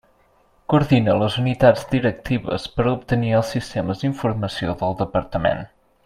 Coordina les unitats directives per obtenir els sistemes d'informació del Departament.